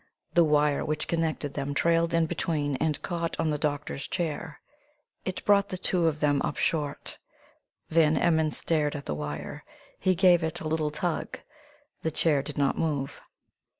The wire which connected them trailed in between and caught on the doctor's chair. It brought the two of them up short. Van Emmon stared at the wire. He gave it a little tug. The chair did not move.